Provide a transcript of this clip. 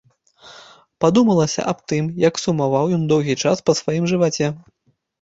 Падумалася аб тым, як сумаваў ён доўгі час па сваім жываце.